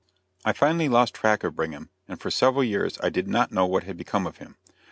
I finally lost track of Brigham, and for several years I did not know what had become of him.